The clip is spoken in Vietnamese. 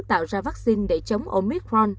tạo ra vaccine để chống omicron